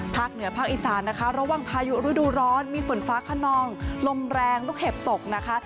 เหนือภาคอีสานนะคะระหว่างพายุฤดูร้อนมีฝนฟ้าขนองลมแรงลูกเห็บตกนะคะ